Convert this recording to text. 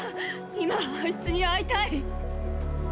今あいつに会いたい。